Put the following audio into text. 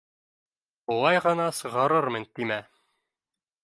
Былай ғына сығарырмын тимә!